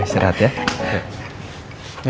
ya istirahat ya